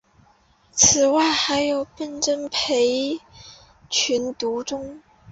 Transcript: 此外还有笨珍培群独中。